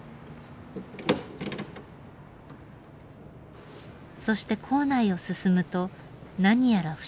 そして構内を進むと何やら不思議な空間が。